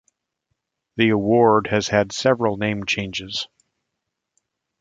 The award has had several name changes.